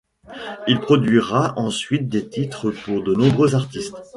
Il produira ensuite des titres pour de nombreux artistes.